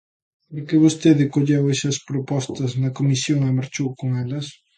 Porque vostede colleu esas propostas na comisión e marchou con elas.